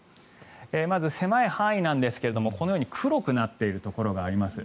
まず狭い範囲なんですがこのように黒くなっているところがあります。